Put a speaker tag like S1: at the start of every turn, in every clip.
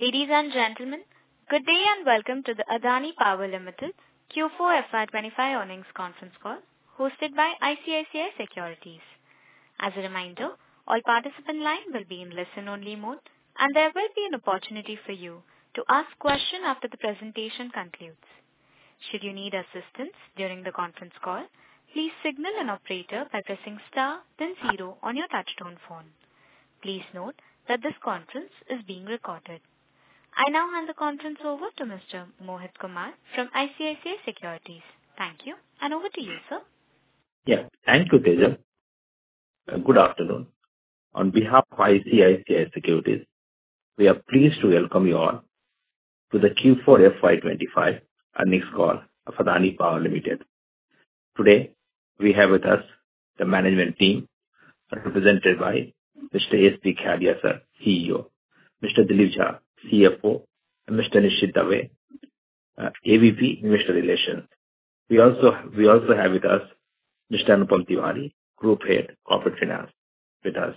S1: Ladies and gentlemen, good day and welcome to the Adani Power Limited Q4 FY25 earnings conference call hosted by ICICI Securities. As a reminder, all participants' lines will be in listen-only mode, and there will be an opportunity for you to ask a question after the presentation concludes. Should you need assistance during the conference call, please signal an operator by pressing star, then zero on your touch-tone phone. Please note that this conference is being recorded. I now hand the conference over to Mr. Mohit Kumar from ICICI Securities. Thank you, and over to you, sir.
S2: Yeah. Thank you, Keshav. Good afternoon. On behalf of ICICI Securities, we are pleased to welcome you all to the Q4 FY25 earnings call of Adani Power Limited. Today, we have with us the management team represented by Mr. SB Khyalia, CEO; Mr. Dilip Jha, CFO; and Mr. Nishit Dave, AVP Investor Relations. We also have with us Mr. Anupam Tiwari, Group Head, Corporate Finance. With us.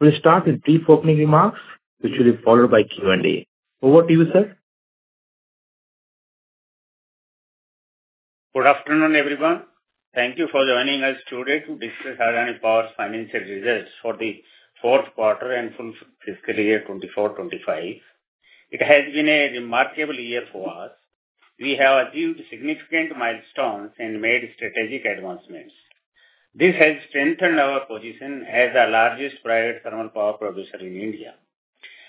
S2: We'll start with brief opening remarks, which will be followed by Q&A. Over to you, sir.
S3: Good afternoon, everyone. Thank you for joining us today to discuss Adani Power's financial results for the Q4 and fiscal year 2024-2025. It has been a remarkable year for us. We have achieved significant milestones and made strategic advancements. This has strengthened our position as the largest private thermal power producer in India.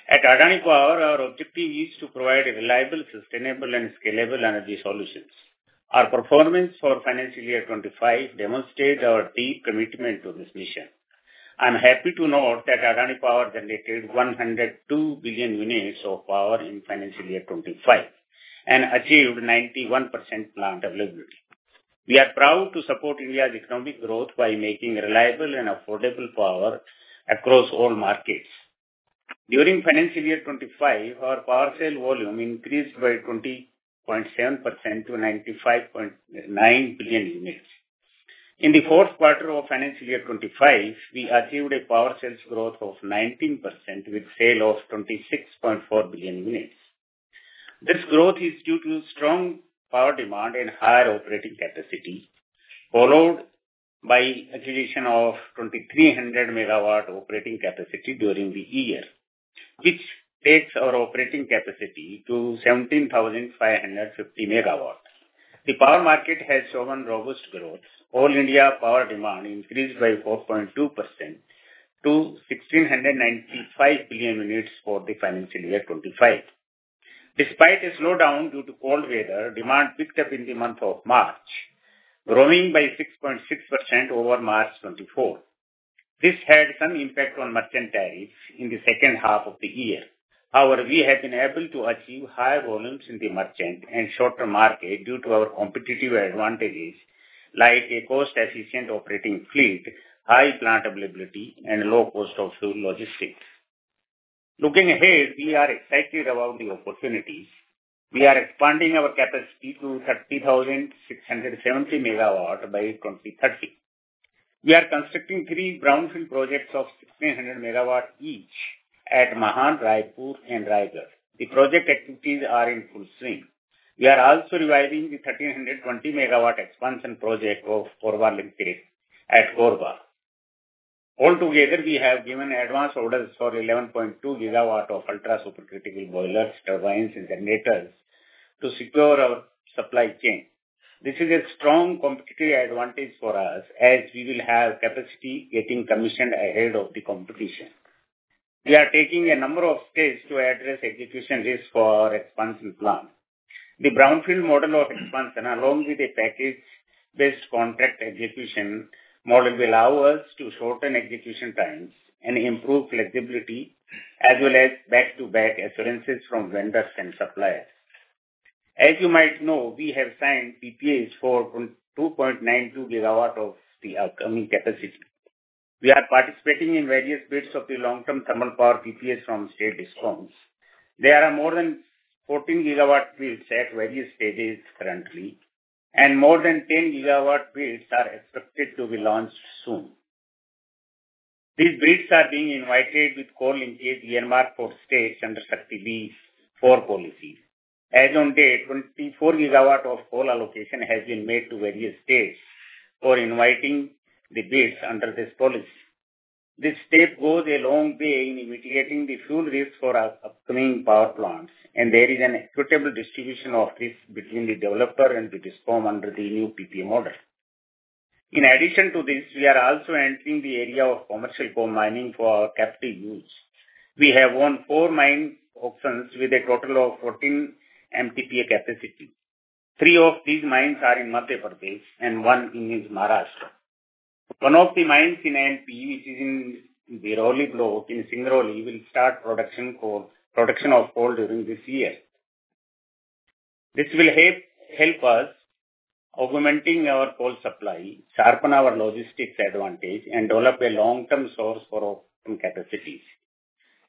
S3: At Adani Power, our objective is to provide reliable, sustainable, and scalable energy solutions. Our performance for financial year 2025 demonstrates our deep commitment to this mission. I'm happy to note that Adani Power generated 102 billion units of power in financial year 2025 and achieved 91% plant availability. We are proud to support India's economic growth by making reliable and affordable power across all markets. During financial year 2025, our power sale volume increased by 20.7% to 95.9 billion units. In the Q4 of financial year 2025, we achieved a power sales growth of 19% with sales of 26.4 billion units. This growth is due to strong power demand and higher operating capacity, followed by acquisition of 2,300 MW operating capacity during the year, which takes our operating capacity to 17,550 MWs. The power market has shown robust growth. All-India power demand increased by 4.2% to 1,695 billion units for the financial year 2025. Despite a slowdown due to cold weather, demand picked up in the month of March, growing by 6.6% over March 2024. This had some impact on merchant tariffs in the second half of the year. However, we have been able to achieve higher volumes in the merchant and shorter market due to our competitive advantages like a cost-efficient operating fleet, high plant availability, and low cost of fuel logistics. Looking ahead, we are excited about the opportunities. We are expanding our capacity to 30,670 MWs by 2030. We are constructing three brownfield projects of 1,600 MWs each at Mahan, Raipur, and Raigarh. The project activities are in full swing. We are also revising the 1,320 MW expansion project of Korba West Power Company Limited at Korba. Altogether, we have given advance orders for 11.2 GW of ultra-supercritical boilers, turbines, and generators to secure our supply chain. This is a strong competitive advantage for us as we will have capacity getting commissioned ahead of the competition. We are taking a number of steps to address execution risk for our expansion plan. The brownfield model of expansion, along with a package-based contract execution model, will allow us to shorten execution times and improve flexibility as well as back-to-back assurances from vendors and suppliers. As you might know, we have signed PPAs for 2.92 gigawatts of the upcoming capacity. We are participating in various bids of the long-term thermal power PPAs from state-sponsors. There are more than 14 GW bids at various stages currently, and more than 10 GW bids are expected to be launched soon. These bids are being invited with coal-linkage earmarked for states under SHAKTI Policy. As of today, 24 GW of coal allocation has been made to various states for inviting the bids under this policy. This step goes a long way in mitigating the fuel risk for our upcoming power plants, and there is an equitable distribution of risk between the developer and the sponsor under the new PPA model. In addition to this, we are also entering the area of commercial coal mining for our capital use. We have won four mine auctions with a total of 14 MTPA capacity. Three of these mines are in Madhya Pradesh and one in Maharashtra. One of the mines in MP, which is in the Dhirauli block in Singrauli, will start production of coal during this year. This will help us augmenting our coal supply, sharpen our logistics advantage, and develop a long-term source for our capacities.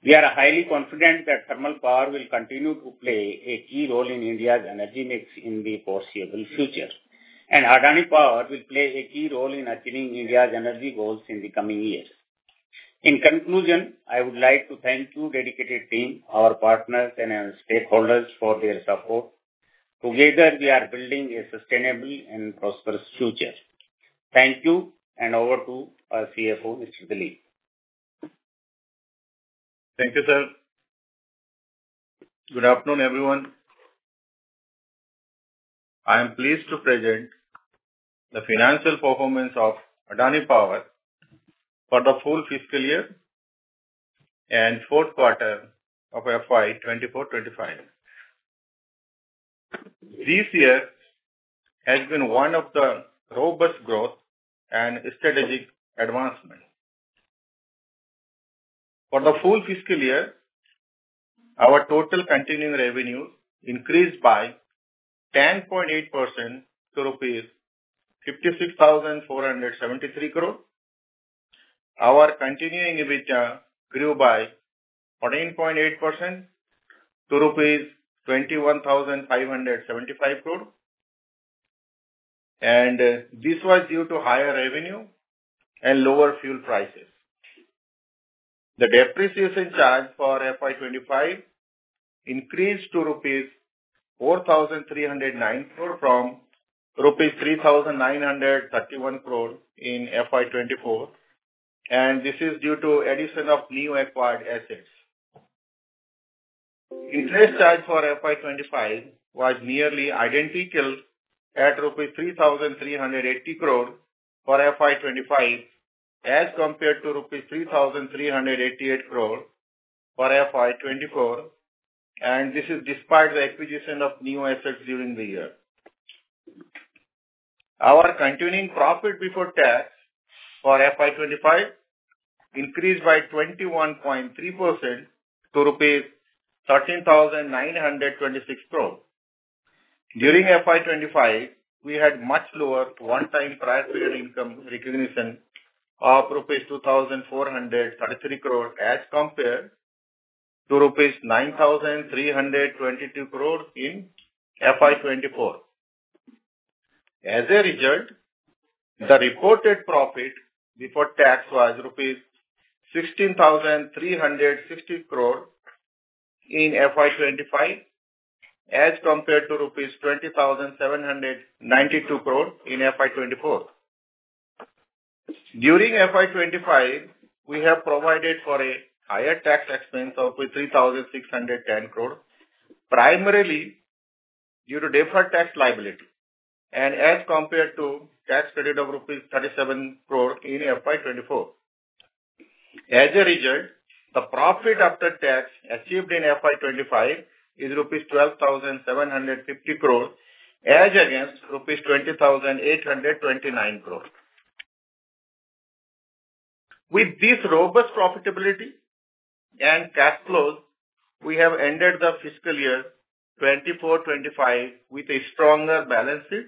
S3: We are highly confident that thermal power will continue to play a key role in India's energy mix in the foreseeable future, and Adani Power will play a key role in achieving India's energy goals in the coming years. In conclusion, I would like to thank you—dedicated team, our partners, and our stakeholders for their support. Together, we are building a sustainable and prosperous future. Thank you, and over to our CFO, Mr. Dilip.
S4: Thank you, sir. Good afternoon, everyone. I am pleased to present the financial performance of Adani Power for the full fiscal year and Q4 of FY 2024-2025. This year has been one of robust growth and strategic advancements. For the full fiscal year, our total continuing revenue increased by 10.8% to 56,473 crore rupees. Our continuing EBITDA grew by 14.8% to rupees 21,575 crore, and this was due to higher revenue and lower fuel prices. The depreciation charge for FY 2025 increased to rupees 4,309 crore from rupees 3,931 crore in FY 2024, and this is due to the addition of new acquired assets. Interest charge for FY 2025 was nearly identical at 3,380 crore rupees for FY 2025 as compared to 3,388 crore rupees for FY 2024, and this is despite the acquisition of new assets during the year. Our continuing profit before tax for FY 2025 increased by 21.3% to INR 13,926 crore. During FY 2025, we had much lower one-time prior period income recognition of rupees 2,433 crore as compared to rupees 9,322 crore in FY 2024. As a result, the reported profit before tax was rupees 16,360 crore in FY 2025 as compared to rupees 20,792 crore in FY 2024. During FY 2025, we have provided for a higher tax expense of 3,610 crore, primarily due to deferred tax liability and as compared to the tax credit of rupees 37 crore in FY 2024. As a result, the profit after tax achieved in FY 2025 is rupees 12,750 crore as against rupees 20,829 crore. With this robust profitability and cash flows, we have ended the fiscal year 2024-2025 with a stronger balance sheet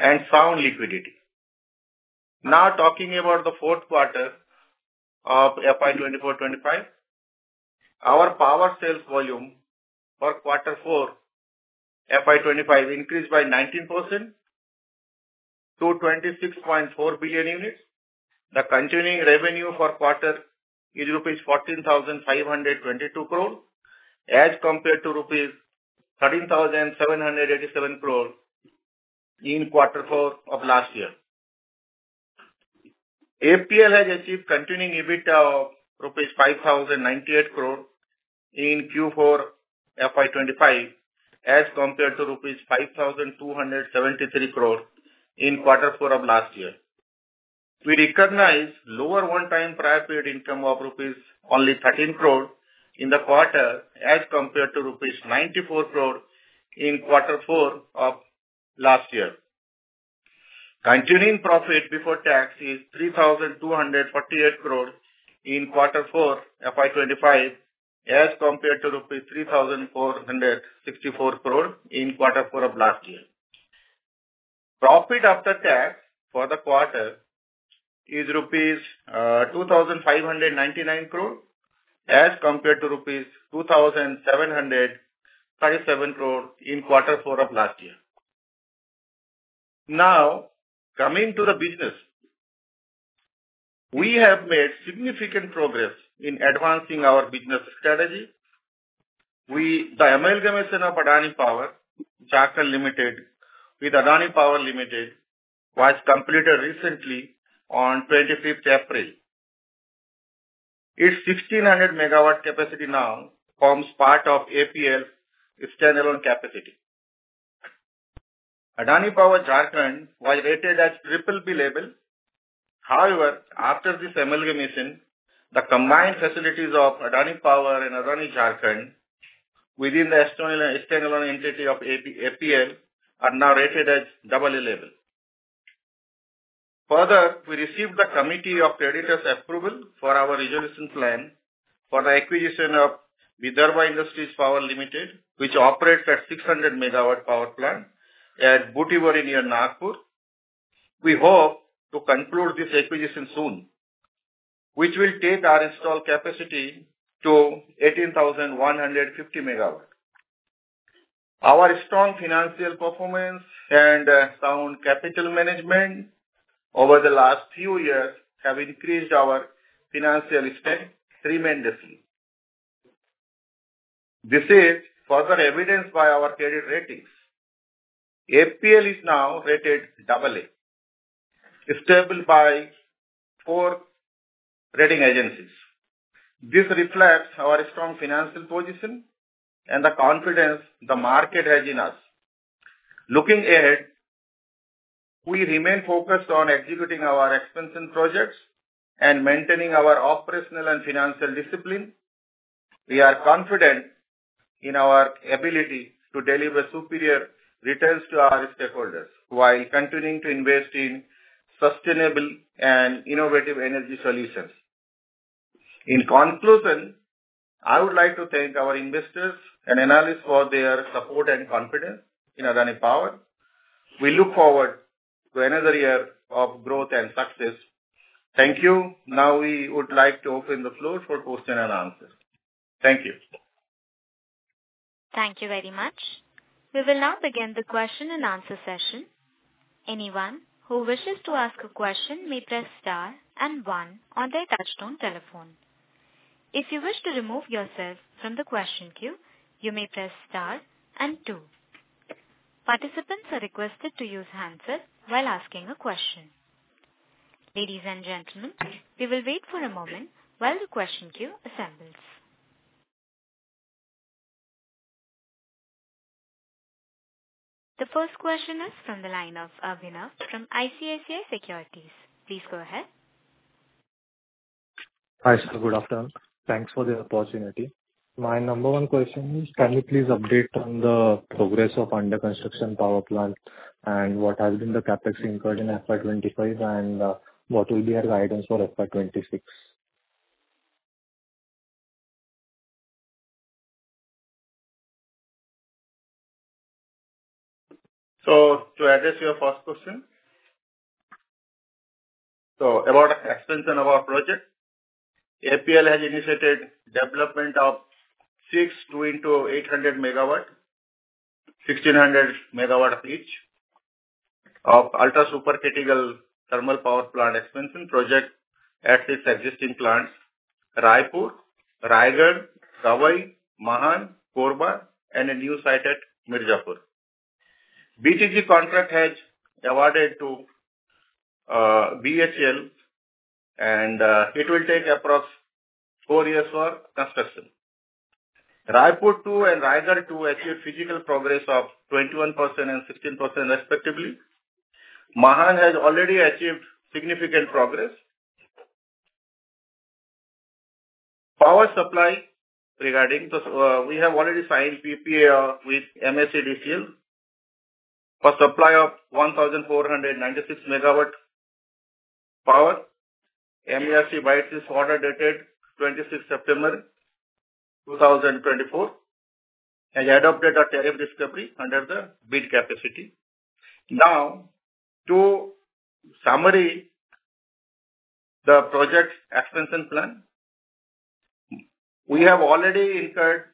S4: and sound liquidity. Now, talking about the Q4 of FY 2024-2025, our power sales volume for Q4 FY 2025 increased by 19% to 26.4 billion units. The continuing revenue for quarter is rupees 14,522 crore as compared to rupees 13,787 crore in Q4 of last year. APL has achieved continuing EBITDA of rupees 5,098 crore in Q4 FY 2025 as compared to rupees 5,273 crore in Q4 of last year. We recognize the lower one-time prior period income of only 13 crore rupees in the quarter as compared to rupees 94 crore in Q4 of last year. Continuing profit before tax is 3,248 crore in Q4 FY 2025 as compared to rupees 3,464 crore in Q4 of last year. Profit after tax for the quarter is rupees 2,599 crore as compared to rupees 2,757 crore in Q4 of last year. Now, coming to the business, we have made significant progress in advancing our business strategy. The amalgamation of Adani Power (Jharkhand) Limited with Adani Power Limited was completed recently on 25 April 2025. Its 1,600 MW capacity now forms part of APL's standalone capacity. Adani Power (Jharkhand) was rated as BBB level. However, after this amalgamation, the combined facilities of Adani Power and Adani Power (Jharkhand) within the standalone entity of APL are now rated as AA level. Further, we received the committee of creditors' approval for our resolution plan for the acquisition of Vidarbha Industries Power Limited, which operates a 600 MW power plant at Butibori, near Nagpur. We hope to conclude this acquisition soon, which will take our installed capacity to 18,150 MW. Our strong financial performance and sound capital management over the last few years have increased our financial strength tremendously. This is further evidenced by our credit ratings. APL is now rated AA, stable by four rating agencies. This reflects our strong financial position and the confidence the market has in us. Looking ahead, we remain focused on executing our expansion projects and maintaining our operational and financial discipline. We are confident in our ability to deliver superior returns to our stakeholders while continuing to invest in sustainable and innovative energy solutions. In conclusion, I would like to thank our investors and analysts for their support and confidence in Adani Power. We look forward to another year of growth and success. Thank you. Now, we would like to open the floor for questionand-answers. Thank you.
S1: Thank you very much. We will now begin the question-and-answer session. Anyone who wishes to ask a question may press star and one on their touch-tone telephone. If you wish to remove yourself from the question queue, you may press star and two. Participants are requested to use handsets while asking a question. Ladies and gentlemen, we will wait for a moment while the question queue assembles. The first question is from the line of Abhinav from ICICI Securities. Please go ahead. Hi, sir. Good afternoon. Thanks for the opportunity. My number one question is, can you please update on the progress of under-construction power plants and what has been the CAPEX incurred in FY 2025 and what will be our guidance for FY 2026?
S4: To address your first question, about the expansion of our project, Adani Power Limited has initiated the development of six 2 x 800 MW, 1,600 MW each, ultra-supercritical thermal power plant expansion projects at its existing plants: Raipur, Raigarh, Kawai, Mahan, Korba, and a new site at Mirzapur. The BTG contract has been awarded to Bharat Heavy Electricals Limited, and it will take approximately four years for construction. Raipur 2 and Raigarh 2 achieved physical progress of 21% and 16% respectively. Mahan has already achieved significant progress. Regarding power supply, we have already signed a Power Purchase Agreement with Maharashtra State Electricity Distribution Company Limited for supply of 1,496 MW power. Maharashtra Electricity Regulatory Commission order dated 26 September 2024 adopted a tariff discovery under the bid capacity. Now, to summary the project expansion plan, we have already incurred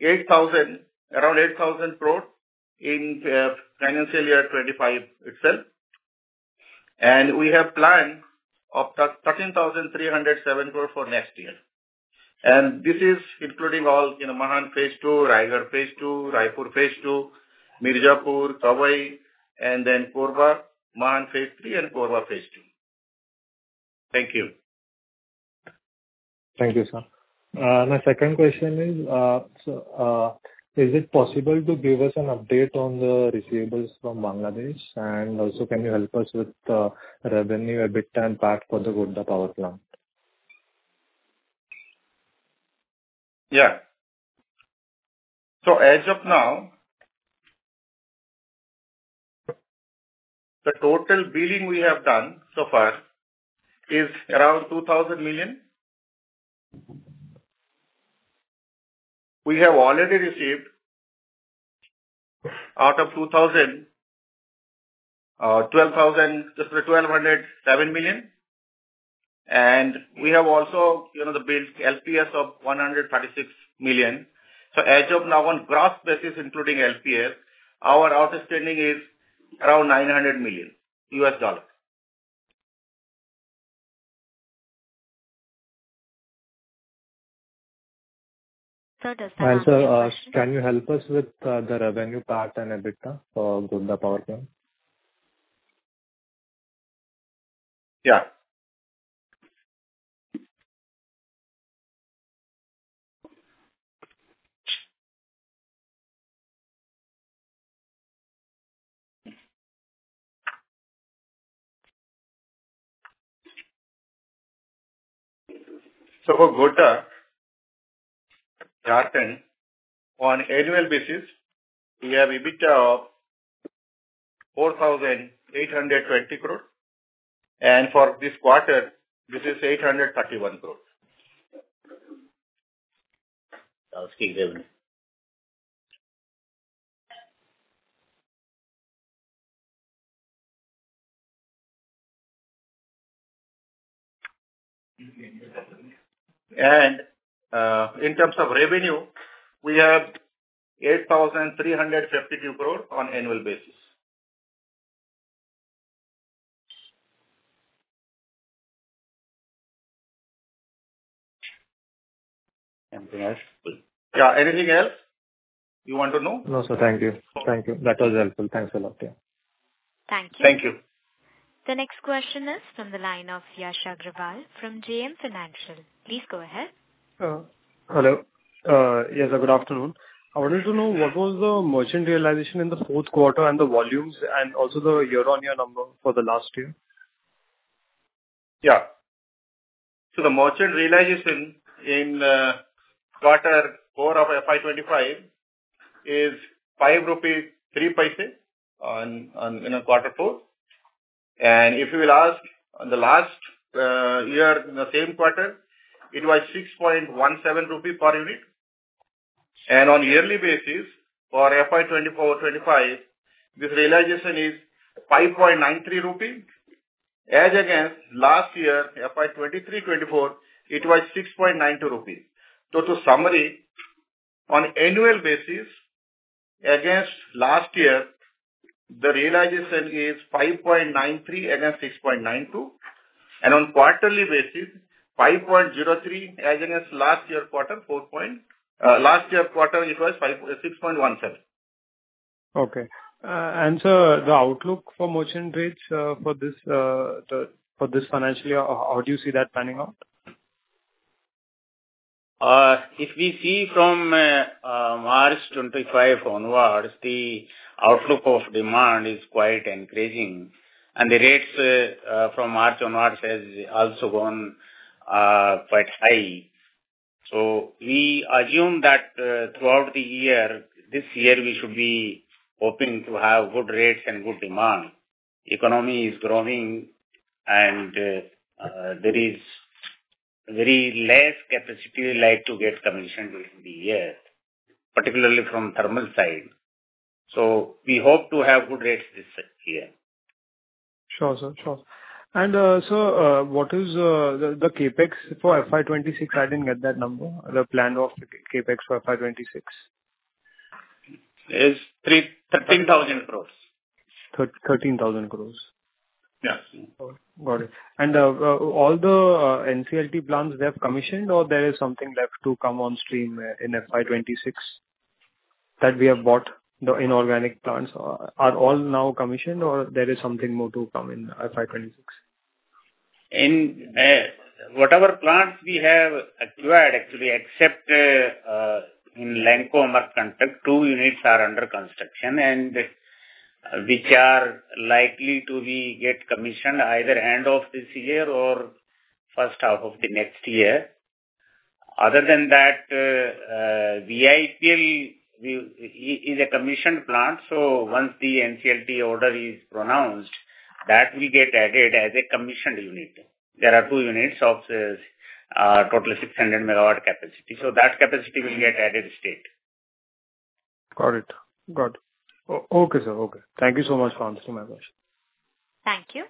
S4: around 8,000 crore in financial year 2025 itself, and we have a plan of 13,307 crore for next year. This is including all Mahan Phase II, Raigarh Phase II, Raipur Phase II, Mirzapur, Kawai, and then Korba, Mahan Phase III, and Korba Phase III. Thank you. Thank you, sir. My second question is, is it possible to give us an update on the receivables from Bangladesh? Also, can you help us with the revenue, EBITDA, and PAT for the Godda Power Plant? Yeah. As of now, the total billing we have done so far is around INR 2,000 million. We have already received out of 2,000 million, 12,700 million, and we have also the billed LPS of 136 million. As of now, on a gross basis, including LPS, our outstanding is around $900 million. Sir, can you help us with the revenue, PAT, and EBITDA for Godda Power Plant? Yeah. For Godda and Jharkhand, on annual basis, we have EBITDA of 4,820 crore, and for this quarter, this is 831 crore. In terms of revenue, we have 8,352 crore on annual basis. Yeah. Anything else you want to know? No, sir. Thank you. Thank you. That was helpful. Thanks a lot.
S1: Thank you.
S4: Thank you.
S1: The next question is from the line of Yash Agrawal from JM Financial. Please go ahead.
S5: Hello. Yes, good afternoon. I wanted to know what was the merchant realization in the Q4 and the volumes, and also the year-on-year number for the last year?
S4: Yeah. The merchant realization in Q4 of FY 2025 is 5.03 in Q4. If you will ask, last year, the same quarter, it was 6.17 rupee per unit. On a yearly basis, for FY 2024-2025, this realization is 5.93 rupees. As against last year, FY 2023-2024, it was 6.92 rupees. To summary, on annual basis, against last year, the realization is 5.93 against 6.92. On quarterly basis, 5.03. As against last year quarter, last year quarter, it was 6.17.
S5: Okay. Sir, the outlook for merchant rates for this financial year, how do you see that panning out?
S3: If we see from March 2025 onwards, the outlook of demand is quite encouraging. The rates from March onwards have also gone quite high. We assume that throughout the year, this year, we should be hoping to have good rates and good demand. The economy is growing, and there is very less capacity to get commission during the year, particularly from the thermal side. We hope to have good rates this year.
S5: Sure, sir. Sure. Sir, what is the CAPEX for FY 2026? I didn't get that number. The plan of CAPEX for FY 2026?
S4: It's 13,000 crore.
S5: 13,000 crores.
S4: Yes.
S5: Got it. All the NCLT plants, they have commissioned, or there is something left to come on stream in FY 2026 that we have bought, the inorganic plants? Are all now commissioned, or there is something more to come in FY 2026?
S3: Whatever plants we have acquired, actually, except in Lanco Amarkantak, two units are under construction, which are likely to be getting commissioned either end of this year or first half of the next year. Other than that, VIPL is a commissioned plant. Once the NCLT order is pronounced, that will get added as a commissioned unit. There are two units of total 600 MW capacity. That capacity will get added straight.
S5: Got it. Got it. Okay, sir. Okay. Thank you so much for answering my question.
S1: Thank you.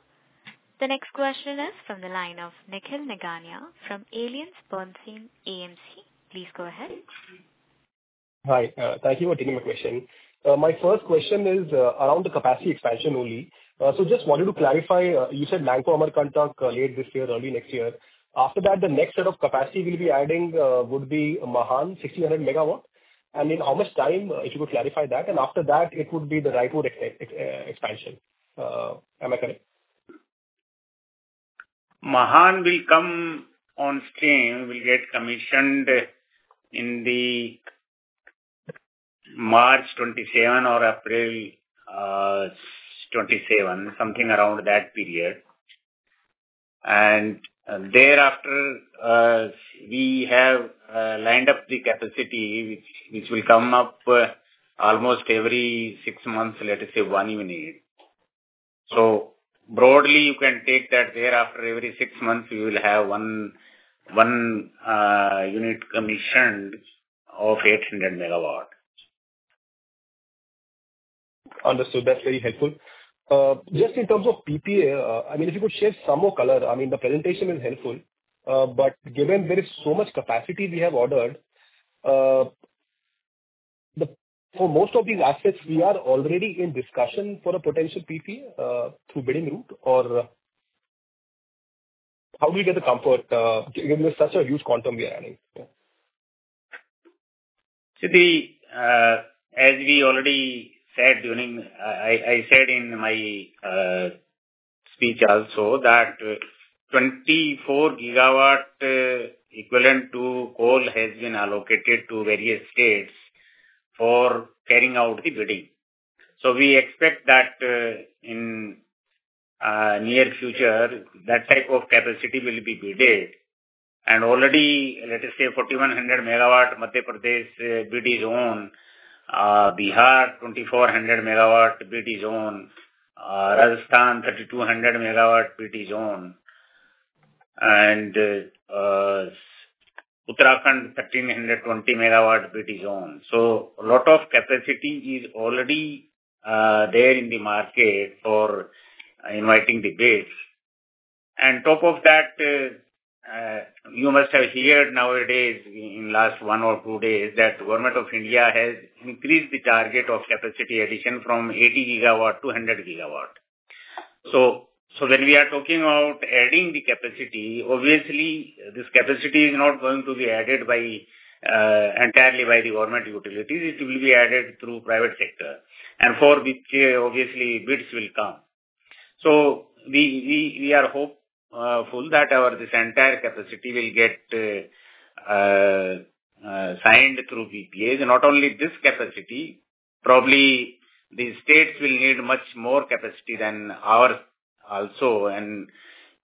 S1: The next question is from the line of Nikhil Nigania from AllianceBernstein, Inc. Please go ahead.
S6: Hi. Thank you for taking my question. My first question is around the capacity expansion only. Just wanted to clarify, you said Lanco Amarkantak late this year, early next year. After that, the next set of capacity we'll be adding would be Mahan, 1,600 MW. In how much time, if you could clarify that? After that, it would be the Raipur expansion. Am I correct?
S3: Mahan will come on stream. We'll get commissioned in March 2027 or April 2027, something around that period. Thereafter, we have lined up the capacity, which will come up almost every six months, let us say one unit. Broadly, you can take that thereafter, every six months, we will have one unit commissioned of 800 MW.
S6: Understood. That's very helpful. Just in terms of PPA, I mean, if you could share some more color, I mean, the presentation is helpful. Given there is so much capacity we have ordered, for most of these assets, we are already in discussion for a potential PPA through bidding route, or how do we get the comfort given there's such a huge quantum we are adding?
S3: See, as we already said during, I said in my speech also that 24 GW equivalent to coal has been allocated to various states for carrying out the bidding. We expect that in the near future, that type of capacity will be bidded. Already, let us say, 4,100 MW Madhya Pradesh bid is on, Bihar 2,400 MW bid is on, Rajasthan 3,200 MW bid is on, and Uttarakhand 1,320 MW bid is on. A lot of capacity is already there in the market for inviting the bids. On top of that, you must have heard nowadays in the last one or two days that the government of India has increased the target of capacity addition from 80 GW to 100 GW. When we are talking about adding the capacity, obviously, this capacity is not going to be added entirely by the government utilities. It will be added through the private sector. For which, obviously, bids will come. We are hopeful that this entire capacity will get signed through PPAs. Not only this capacity, probably the states will need much more capacity than ours also.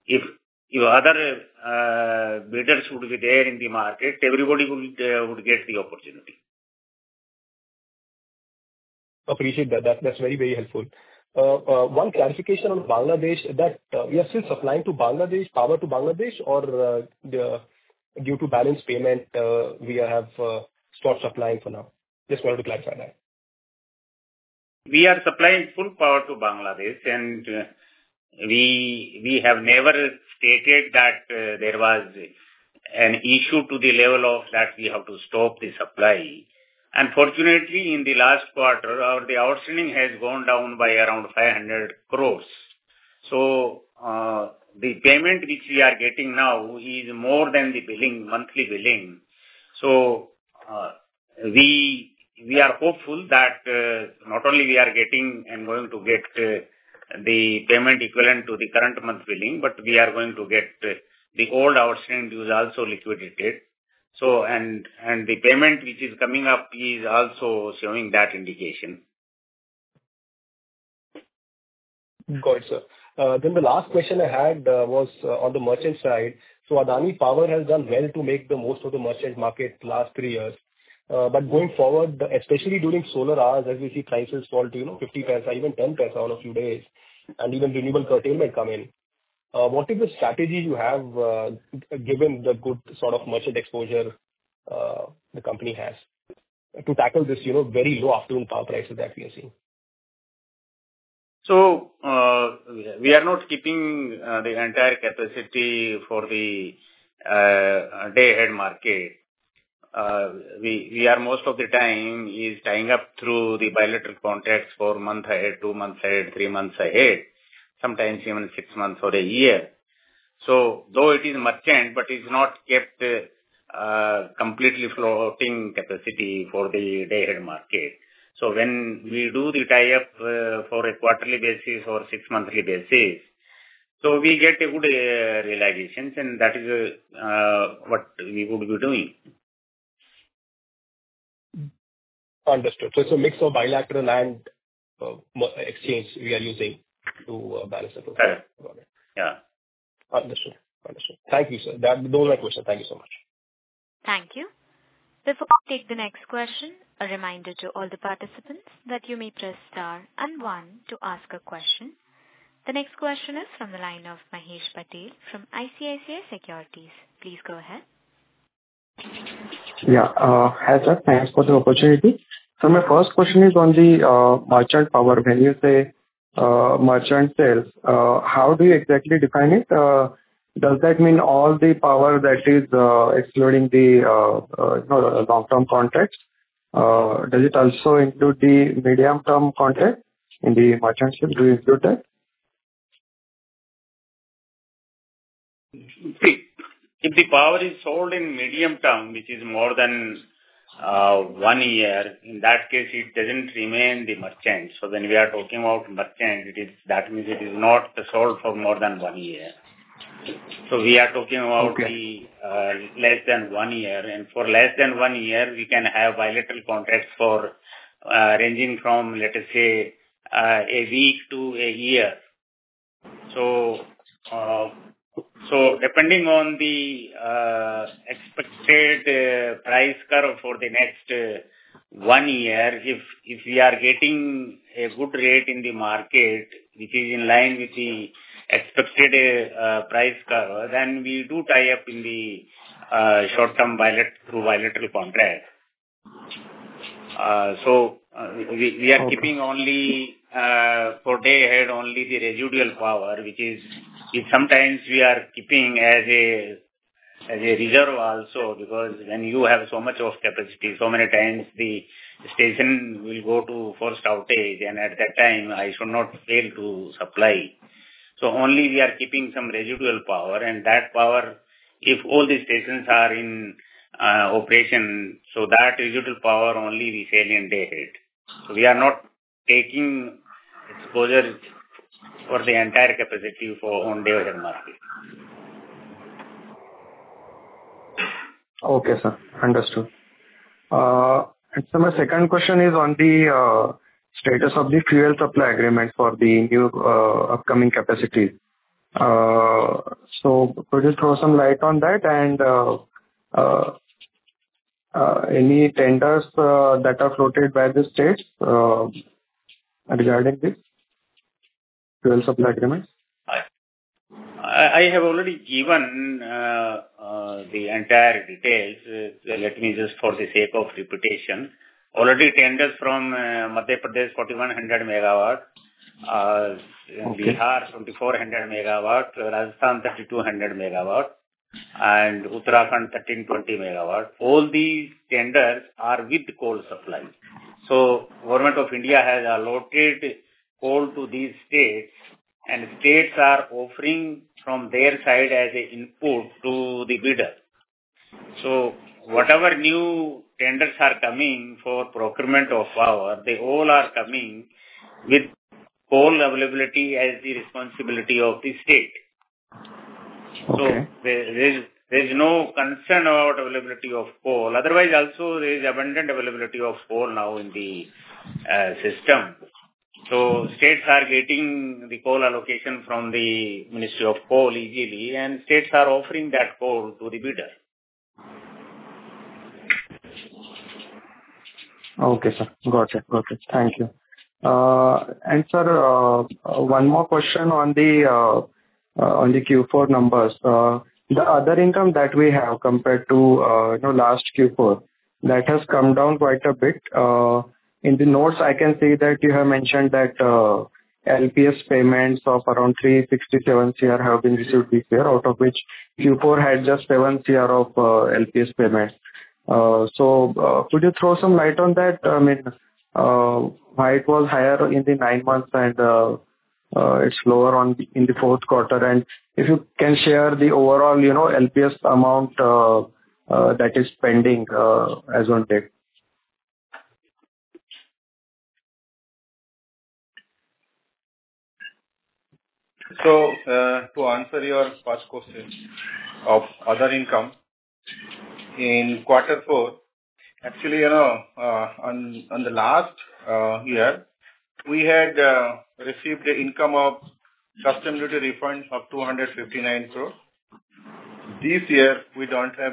S3: If other bidders would be there in the market, everybody would get the opportunity.
S6: Appreciate that. That's very, very helpful. One clarification on Bangladesh, that we are still supplying to Bangladesh, or due to balance payment, we have stopped supplying for now? Just wanted to clarify that.
S3: We are supplying full power to Bangladesh, and we have never stated that there was an issue to the level that we have to stop the supply. Unfortunately, in the last quarter, the outstanding has gone down by around 500 crore. The payment which we are getting now is more than the monthly billing. We are hopeful that not only are we getting and going to get the payment equivalent to the current month billing, but we are going to get the old outstanding also liquidated. The payment which is coming up is also showing that indication.
S6: Got it, sir. The last question I had was on the merchant side. Adani Power has done well to make the most of the merchant market the last three years. Going forward, especially during solar hours, as we see prices fall to 0.50 paisa, even 0.10 paisa on a few days, and even renewable curtailment come in, what is the strategy you have given the good sort of merchant exposure the company has to tackle this very low afternoon power prices that we are seeing?
S3: We are not keeping the entire capacity for the day-ahead market. Most of the time, it is tying up through the bilateral contracts four months ahead, two months ahead, three months ahead, sometimes even six months or a year. Though it is merchant, it is not kept completely floating capacity for the day-ahead market. When we do the tie-up for a quarterly basis or six-monthly basis, we get good realizations, and that is what we would be doing.
S6: Understood. It's a mix of bilateral and exchange we are using to balance the profits.
S3: Correct. Yeah.
S6: Understood. Understood. Thank you, sir. Those are my questions. Thank you so much.
S1: Thank you. Before we take the next question, a reminder to all the participants that you may press star and one to ask a question. The next question is from the line of Mahesh Patil from ICICI Securities. Please go ahead.
S7: Yeah. Hi, sir. Thanks for the opportunity. My first question is on the merchant power. When you say merchant sales, how do you exactly define it? Does that mean all the power that is excluding the long-term contract? Does it also include the medium-term contract in the merchant sales? Do you include that?
S3: If the power is sold in medium term, which is more than one year, in that case, it doesn't remain the merchant. When we are talking about merchant, that means it is not sold for more than one year. We are talking about less than one year. For less than one year, we can have bilateral contracts ranging from, let us say, a week to a year. Depending on the expected price curve for the next one year, if we are getting a good rate in the market, which is in line with the expected price curve, then we do tie up in the short-term bilateral contract. We are keeping only for day-ahead only the residual power, which is sometimes we are keeping as a reserve also because when you have so much of capacity, so many times the station will go to forced outage, and at that time, I should not fail to supply. Only we are keeping some residual power. That power, if all the stations are in operation, that residual power only we sell in day-ahead. We are not taking exposure for the entire capacity for on-day-ahead market.
S7: Okay, sir. Understood. Sir, my second question is on the status of the fuel supply agreement for the new upcoming capacity. Could you throw some light on that and any tenders that are floated by the states regarding this fuel supply agreement?
S3: I have already given the entire details. Let me just, for the sake of repetition, already tenders from Madhya Pradesh, 4,100 MW; Bihar, 2,400 MW; Rajasthan, 3,200 MW; and Uttarakhand, 1,320 MW. All these tenders are with coal supply. The government of India has allotted coal to these states, and states are offering from their side as an input to the bidder. Whatever new tenders are coming for procurement of power, they all are coming with coal availability as the responsibility of the state. There is no concern about availability of coal. Otherwise, also, there is abundant availability of coal now in the system. States are getting the coal allocation from the Ministry of Coal easily, and states are offering that coal to the bidder.
S7: Okay, sir. Got it. Got it. Thank you. Sir, one more question on the Q4 numbers. The other income that we have compared to last Q4, that has come down quite a bit. In the notes, I can see that you have mentioned that LPS payments of around 367 crore have been received this year, out of which Q4 had just 7 crore of LPS payments. Could you throw some light on that? I mean, why it was higher in the nine months and it is lower in the Q4? If you can share the overall LPS amount that is pending as of date.
S4: To answer your first question of other income, in Q4, actually, on the last year, we had received the income of custom duty refunds of 259 crore. This year, we do not have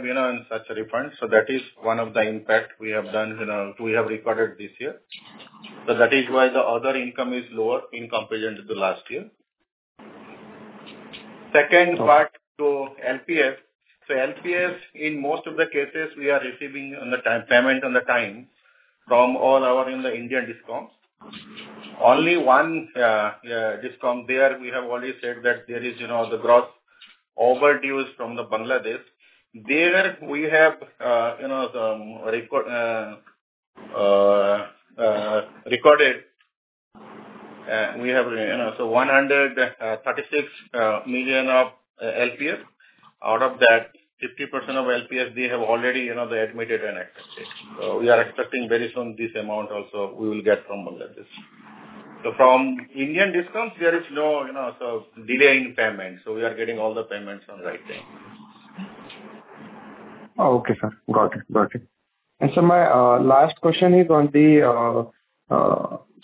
S4: such a refund. That is one of the impacts we have recorded this year. That is why the other income is lower in comparison to last year. Second part to LPS, so LPS, in most of the cases, we are receiving payment on the time from all our Indian discoms. Only one discom there, we have already said that there is the gross overdue from Bangladesh. There, we have recorded we have $136 million of LPS. Out of that, 50% of LPS, they have already admitted and accepted. We are expecting very soon this amount also we will get from Bangladesh. From Indian discoms, there is no delay in payment. We are getting all the payments on the right time.
S7: Okay, sir. Got it. Got it. Sir, my last question is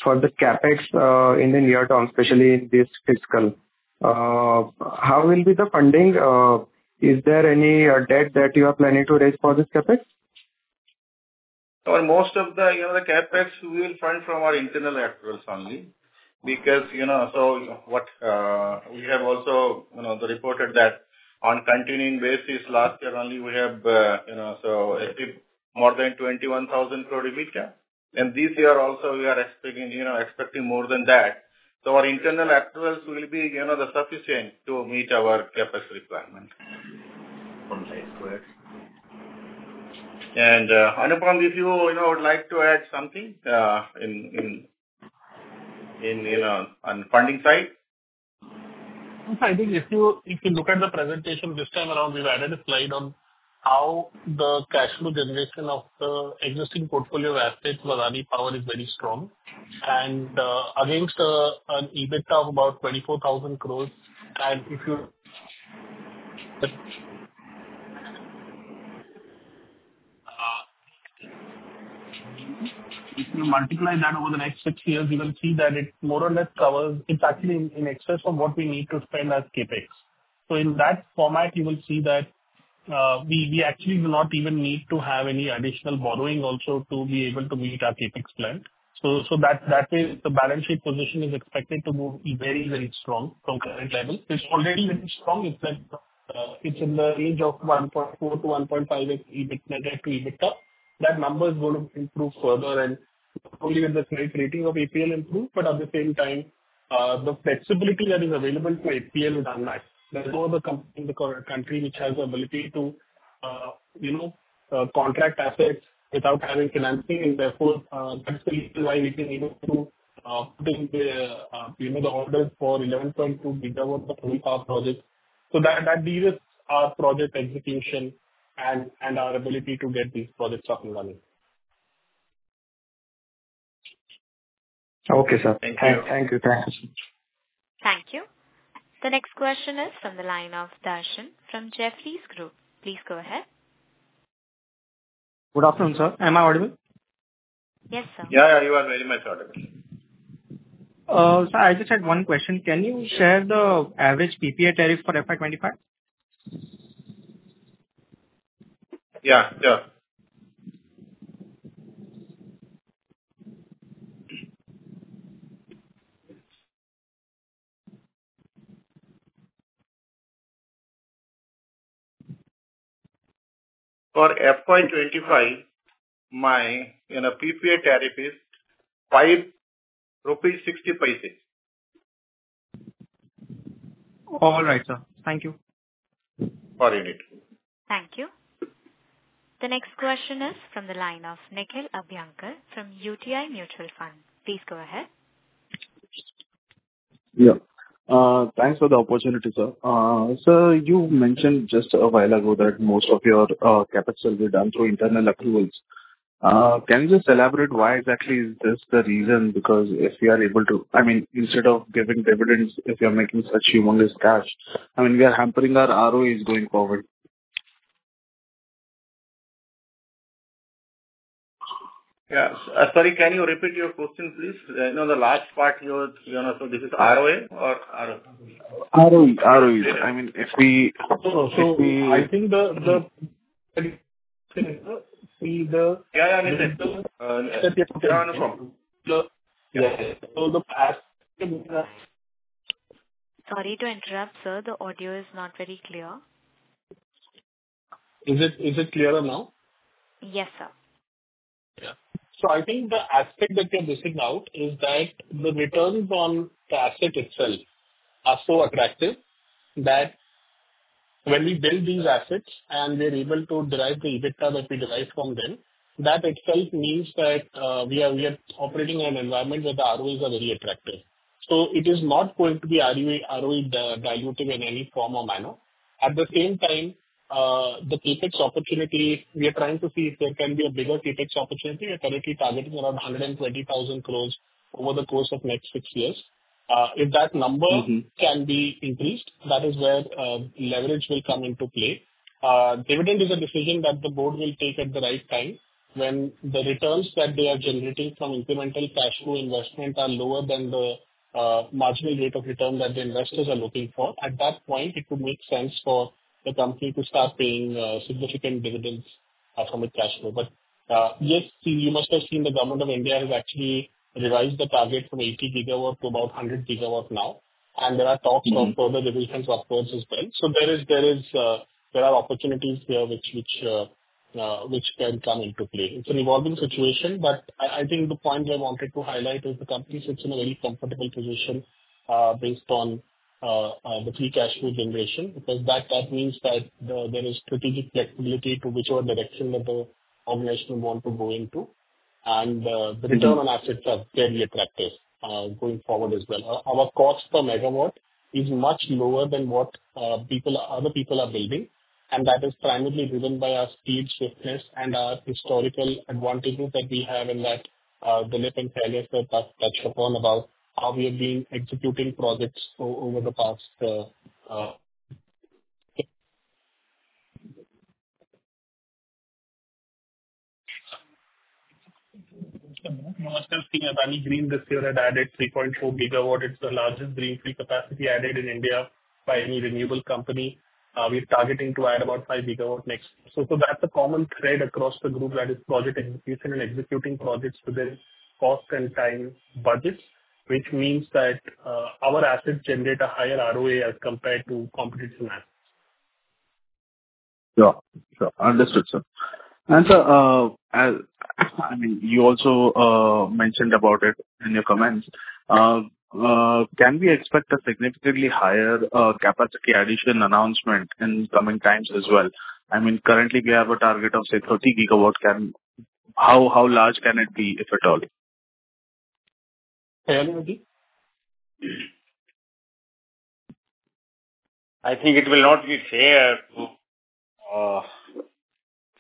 S7: for the CAPEX in the near term, especially in this fiscal. How will be the funding? Is there any debt that you are planning to raise for this CAPEX?
S4: Most of the CAPEX, we will fund from our internal accruals only because we have also reported that on a continuing basis, last year only, we have more than 21,000 crore rebated. This year, also, we are expecting more than that. Our internal accruals will be sufficient to meet our CAPEX requirement. Anupam, if you would like to add something on the funding side.
S8: I think if you look at the presentation this time around, we've added a slide on how the cash flow generation of the existing portfolio of assets with Adani Power is very strong. Against an EBITDA of about 24,000 crore, and if you multiply that over the next six years, you will see that it more or less covers, it's actually in excess of what we need to spend as CAPEX. In that format, you will see that we actually do not even need to have any additional borrowing also to be able to meet our CAPEX plan. That way, the balance sheet position is expected to be very, very strong from current level. It's already very strong. It's in the range of 1.4 to 1.5x net debt to EBITDA. That number is going to improve further. Not only will the current rating of APL improve, but at the same time, the flexibility that is available to APL is unmatched. There is no other company in the country which has the ability to contract assets without having financing. Therefore, that is the reason why we have been able to put in the orders for 11.2 GW of coal power projects. That deals with our project execution and our ability to get these projects up and running.
S7: Okay, sir.
S3: Thank you.
S7: Thank you. Thank you.
S1: Thank you. The next question is from the line of Darshan from Jefferies Group. Please go ahead.
S9: Good afternoon, sir. Am I audible?
S1: Yes, sir.
S3: Yeah, yeah. You are very much audible.
S9: Sir, I just had one question. Can you share the average PPA tariff for FY 2025?
S3: Yeah. Yeah. For FY 2025, my PPA tariff is INR 5.60.
S9: All right, sir. Thank you.
S3: For you, indeed.
S1: Thank you. The next question is from the line of Nikhil Abhyankar from UTI Mutual Fund. Please go ahead.
S10: Yeah. Thanks for the opportunity, sir. Sir, you mentioned just a while ago that most of your CAPEX will be done through internal accruals. Can you just elaborate why exactly is this the reason? Because if you are able to, I mean, instead of giving dividends if you're making such humongous cash, I mean, we are hampering our ROEs going forward.
S3: Yes. Sorry, can you repeat your question, please? I know the last part, so this is ROE or ROE?
S10: ROE. ROE. I mean, if we.
S8: I think the.
S10: Sorry.
S3: Yeah, yeah. I understand.
S1: Sorry to interrupt, sir. The audio is not very clear.
S8: Is it clearer now?
S1: Yes, sir.
S8: Yeah. I think the aspect that you're missing out is that the returns on the asset itself are so attractive that when we build these assets and we're able to derive the EBITDA that we derive from them, that itself means that we are operating in an environment where the ROEs are very attractive. It is not going to be ROE diluted in any form or manner. At the same time, the CAPEX opportunity, we are trying to see if there can be a bigger CAPEX opportunity. We're currently targeting around 120,000 crore over the course of the next six years. If that number can be increased, that is where leverage will come into play. Dividend is a decision that the board will take at the right time when the returns that they are generating from incremental cash flow investment are lower than the marginal rate of return that the investors are looking for. At that point, it would make sense for the company to start paying significant dividends from its cash flow. Yes, you must have seen the government of India has actually revised the target from 80 GW to about 100 GW now. There are talks of further reductions of course as well. There are opportunities here which can come into play. It's an evolving situation, but I think the point I wanted to highlight is the company sits in a very comfortable position based on the free cash flow generation because that means that there is strategic flexibility to whichever direction that the organization wants to go into. The return on assets are fairly attractive going forward as well. Our cost per megawatt is much lower than what other people are building. That is primarily driven by our speed, swiftness, and our historical advantages that we have in that Dilip and Khyalia have touched upon about how we have been executing projects over the past. Adani Green, this year had added 3.4 GW. It's the largest greenfield capacity added in India by any renewable company. We are targeting to add about 5 GW next. That's a common thread across the group that is project execution and executing projects within cost and time budgets, which means that our assets generate a higher ROE as compared to competitive assets.
S10: Yeah. Sure. Understood, sir. Sir, I mean, you also mentioned about it in your comments. Can we expect a significantly higher capacity addition announcement in coming times as well? I mean, currently, we have a target of, say, 30 GW. How large can it be, if at all?
S3: I think it will not be fair to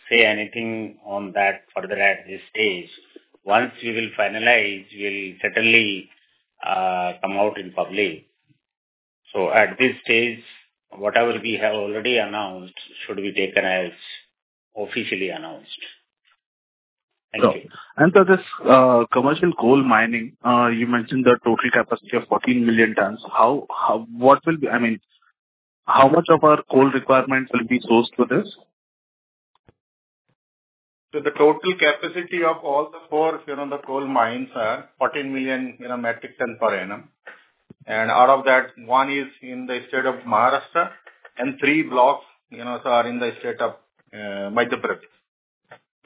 S3: say anything on that further at this stage. Once we will finalize, we'll certainly come out in public. At this stage, whatever we have already announced should be taken as officially announced. Thank you.
S10: Sure. Sir, this commercial coal mining, you mentioned the total capacity of 14 million tons. What will be, I mean, how much of our coal requirement will be sourced for this?
S3: The total capacity of all the four coal mines are 14 million metric tons per annum. Out of that, one is in the state of Maharashtra, and three blocks are in the state of Madhya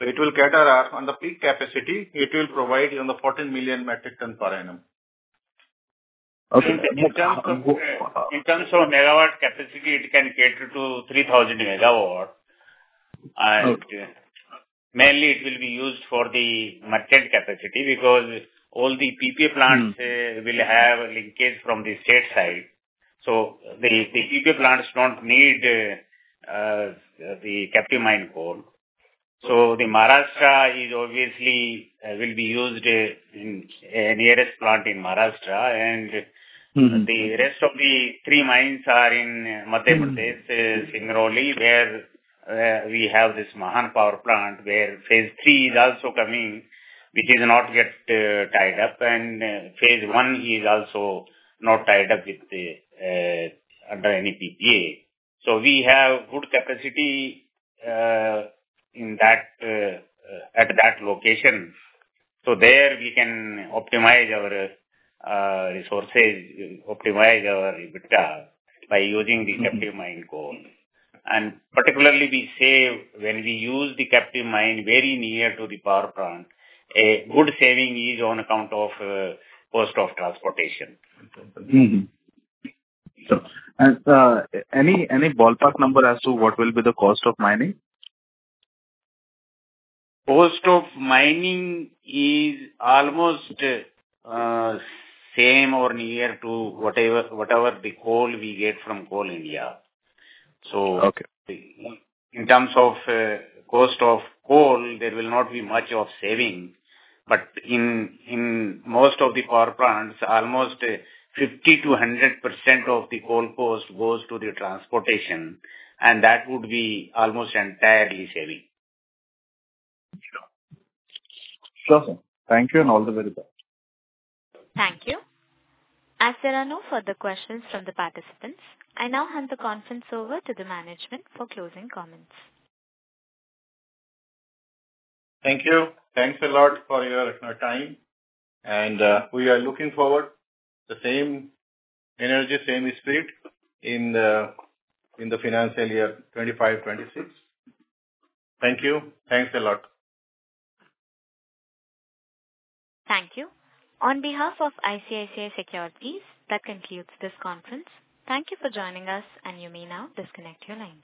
S3: Pradesh. It will cater on the peak capacity. It will provide 14 million metric tons per annum.
S10: Okay.
S3: In terms of megawatt capacity, it can cater to 3,000 MW. Mainly, it will be used for the merchant capacity because all the PPA plants will have linkage from the state side. The PPA plants do not need the captive mine coal. The Maharashtra mine will be used in the nearest plant in Maharashtra. The rest of the three mines are in Madhya Pradesh, Singrauli, where we have this Mahan Power Plant, where Phase III is also coming, which is not yet tied up. Phase 1 is also not tied up under any PPA. We have good capacity at that location. There we can optimize our resources, optimize our EBITDA by using the captive mine coal. Particularly, we save when we use the captive mine very near to the power plant. A good saving is on account of cost of transportation.
S10: Sure. Sir, any ballpark number as to what will be the cost of mining?
S3: Cost of mining is almost the same or near to whatever the coal we get from Coal India. In terms of cost of coal, there will not be much of saving. In most of the power plants, almost 50% to 100% of the coal cost goes to the transportation. That would be almost entirely saving.
S10: Sure. Thank you and all the very best.
S1: Thank you. As there are no further questions from the participants, I now hand the conference over to the management for closing comments.
S3: Thank you. Thanks a lot for your time. We are looking forward to the same energy, same spirit in the financial year 2025-2026. Thank you. Thanks a lot.
S1: Thank you. On behalf of ICICI Securities, that concludes this conference. Thank you for joining us, and you may now disconnect your line.